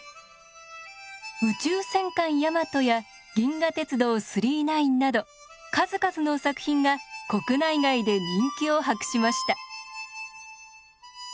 「宇宙戦艦ヤマト」や「銀河鉄道９９９」など数々の作品が国内外で人気を博しました。